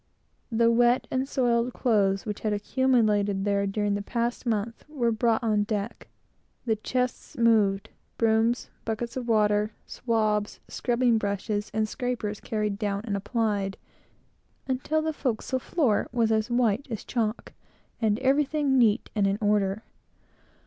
The wet and soiled clothes which had accumulated there during the past month, were brought up on deck; the chests moved; brooms, buckets of water, swabs, scrubbing brushes, and scrapers carried down, and applied, until the forecastle floor was as white as chalk, and everything neat and in order.